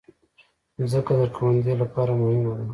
مځکه د کروندې لپاره مهمه ده.